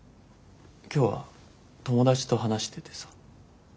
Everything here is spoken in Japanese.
今日は友達と話しててさ。